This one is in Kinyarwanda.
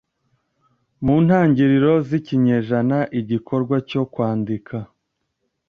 mu ntangiriro zikinyejana igikorwa cyo kwandika